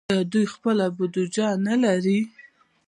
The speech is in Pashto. آیا دوی خپله بودیجه نلري؟